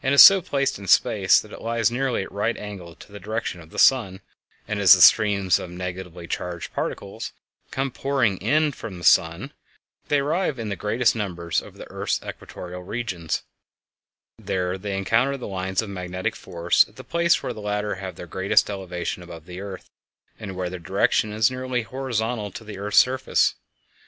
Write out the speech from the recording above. Now the axis of the earth is so placed in space that it lies at nearly a right angle to the direction of the sun, and as the streams of negatively charged particles come pouring on from the sun (see the last preceding chapter), they arrive in the greatest numbers over the earth's equatorial regions. There they encounter the lines of magnetic force at the place where the latter have their greatest elevation above the earth, and where their direction is horizontal to the earth's surface.